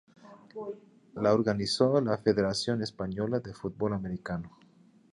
La organizó la Federación Española de Fútbol Americano.